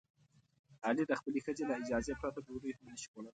علي د خپلې ښځې له اجازې پرته ډوډۍ هم نشي خوړلی.